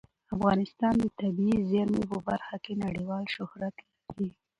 افغانستان د طبیعي زیرمې په برخه کې نړیوال شهرت لري.